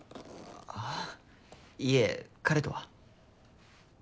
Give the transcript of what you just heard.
あいいえ彼とは。